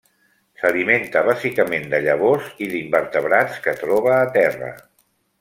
S'alimenta bàsicament de llavors i d'invertebrats que troba a terra.